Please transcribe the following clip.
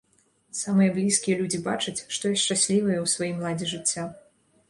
Самыя блізкія людзі бачаць, што я шчаслівая ў сваім ладзе жыцця.